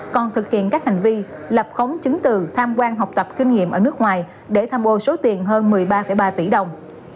còn thực hiện các hành vi lập khống chứng từ tham quan học tập kinh nghiệm ở nước ngoài để tham ô số tiền hơn một mươi ba ba tỷ đồng